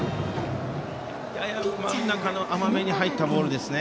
やや真ん中の甘めに入ったボールですね。